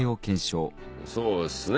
そうっすね。